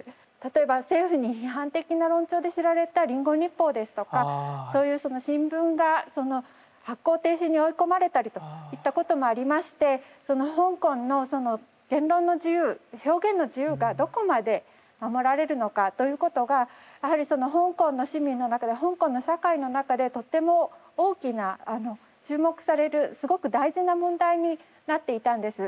例えば政府に批判的な論調で知られた「リンゴ日報」ですとかそういうその新聞が発行停止に追い込まれたりといったこともありまして香港のその言論の自由表現の自由がどこまで守られるのかということがやはりその香港の市民の中で香港の社会の中でとっても大きな注目されるすごく大事な問題になっていたんです。